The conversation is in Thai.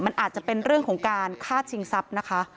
มันอาจจะเป็นเรื่องของการฆ่าชิงทรัพย์นะคะ